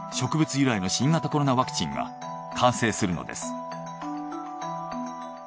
由来の新型コロナワクチンが完成するのです。